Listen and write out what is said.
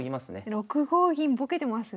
６五銀ぼけてますね。